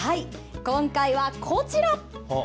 今回はこちら。